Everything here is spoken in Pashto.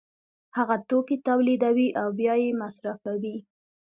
هغه توکي تولیدوي او بیا یې مصرفوي